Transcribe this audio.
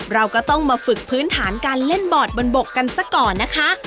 เราก็ต้องมาฝึกพื้นฐานการเล่นบอร์ดบนบกกันซะก่อนนะคะ